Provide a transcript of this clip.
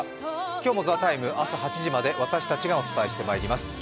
今日も「ＴＨＥＴＩＭＥ，」、朝８時まで私たちがお伝えしていきます。